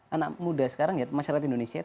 anak muda sekarang ya masyarakat indonesia